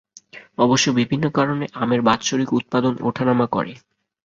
অবশ্য বিভিন্ন কারণে আমের বাৎসরিক উৎপাদন ওঠানামা করে।